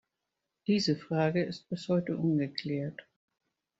Diese Frage ist bis heute ungeklärt.